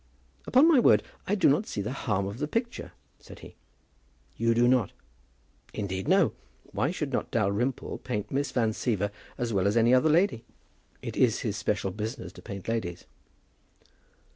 "Upon my word I do not see the harm of the picture," said he. "You do not?" "Indeed, no. Why should not Dalrymple paint Miss Van Siever as well as any other lady? It is his special business to paint ladies."